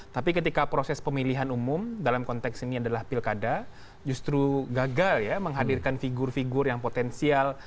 tapi ketika proses pemilihan umum dalam konteks ini adalah pilkada justru gagal ya menghadirkan figur figur yang potensial